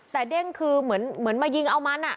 แต่เด้งคือเหมือนมายิงเอามัน